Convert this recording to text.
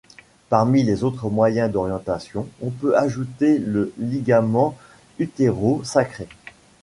Parmi les autres moyens d'orientation on peut ajouter le ligament utéro-sacré.